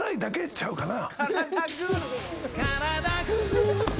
ちゃうかな？